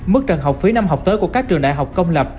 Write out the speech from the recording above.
mức trần học phí năm học tới của các trường đại học công lập